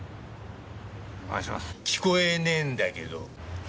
聞こえねぇんだけど。